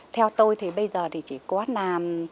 theo tôi thì bây giờ thì chỉ có là